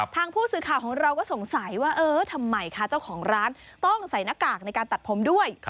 ทางผู้สื่อข่าวของเราก็สงสัยว่าเออทำไมคะเจ้าของร้านต้องใส่หน้ากากในการตัดผมด้วย